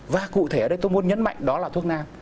và cụ thể ở đây tôi muốn nhấn mạnh đó là thuốc nam